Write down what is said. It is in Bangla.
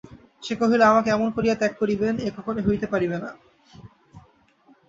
সে কহিল, আমাকে এমন করিয়া ত্যাগ করিবেন এ কখনোই হইতে পারিবে না।